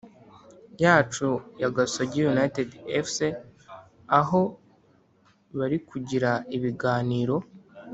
yacu ya gasogi united fc aho barikugira ibiganiro\